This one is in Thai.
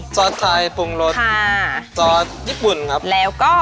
ซอสไทยปรุงรสค่ะซอสญี่ปุ่นครับแล้วก็